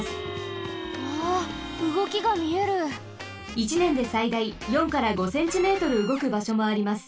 １ねんでさいだい４から５センチメートルうごくばしょもあります。